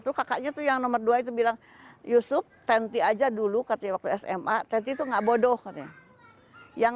terus kakaknya yang nomor dua itu bilang yusuf tenti aja dulu waktu sma tenti itu gak bodoh katanya